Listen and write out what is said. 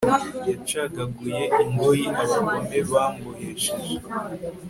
yacagaguye ingoyi abagome bambohesheje